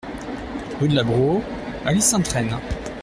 Rue de la Braux, Alise-Sainte-Reine